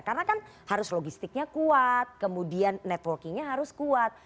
karena kan harus logistiknya kuat kemudian networkingnya harus kuat